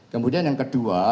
kemudian yang kedua